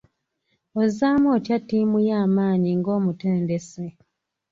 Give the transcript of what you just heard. Ozzaamu otya ttiimu yo amaanyi nga omutendesi?